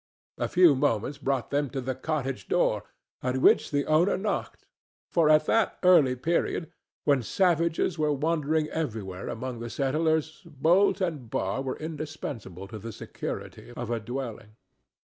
A few moments brought them to the cottage door, at which the owner knocked; for at that early period, when savages were wandering everywhere among the settlers, bolt and bar were indispensable to the security of a dwelling.